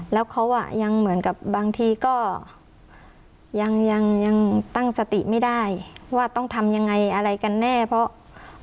แล้วเขาอ่ะยังเหมือนกับบางทีก็ยังยังตั้งสติไม่ได้ว่าต้องทำยังไงอะไรกันแน่เพราะ